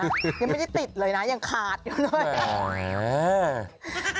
ยังไม่ได้ติดเลยนะยังขาดอยู่เลยอ่ะ